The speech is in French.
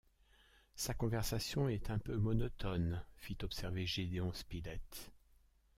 Sa conversation est un peu monotone, fit observer Gédéon Spilett.